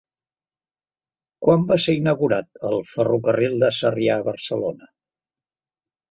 Quan va ser inaugurat el “Ferrocarril de Sarrià a Barcelona”?